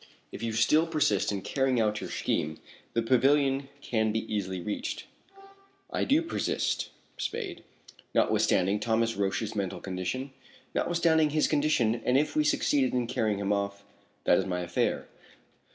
If you still persist in carrying out your scheme the pavilion can be easily reached." "I do persist, Spade." "Notwithstanding Thomas Roch's mental condition?" "Notwithstanding his condition; and if we succeed in carrying him off " "That is my affair.